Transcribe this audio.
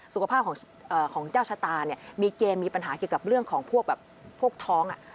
สุขภาพของเจ้าชะตามีเกณฑ์มีปัญหาเกี่ยวกับเรื่องพกท้อง